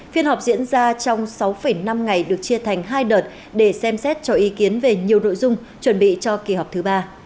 phiên họp diễn ra trong sáu năm ngày được chia thành hai đợt để xem xét cho ý kiến về nhiều nội dung chuẩn bị cho kỳ họp thứ ba